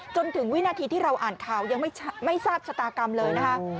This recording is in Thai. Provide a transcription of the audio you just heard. จนถึงวินาทีที่เราอ่านข่าวยังไม่ทราบชะตากรรมเลยนะคะ